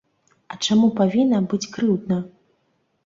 А чаму павінна быць крыўдна?